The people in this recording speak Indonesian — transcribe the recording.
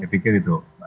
saya pikir itu